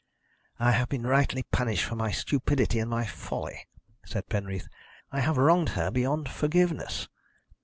"I have been rightly punished for my stupidity and my folly," said Penreath. "I have wronged her beyond forgiveness."